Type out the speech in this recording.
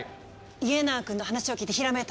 家長君の話を聞いてひらめいたの。